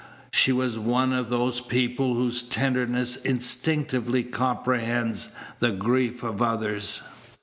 She was one of those people whose tenderness instinctively comprehends the griefs of others.